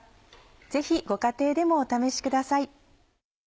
ぜひご家庭でもお試しください。